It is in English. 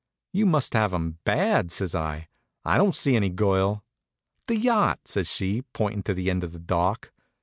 "You must have 'em bad," says I. "I don't see any girl." "The yacht!" says she, pointin' to the end of the dock.